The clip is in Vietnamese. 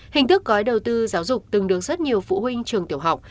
hình thức gói đầu tư giáo dục từng được rất nhiều phụ huynh trường tiểu học